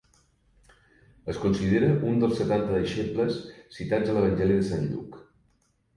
Es considera un dels Setanta deixebles citats a l'Evangeli de Sant Lluc.